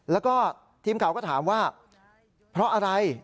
แล้วก็ทีมข่าวก็ถามว่าเพราะอะไร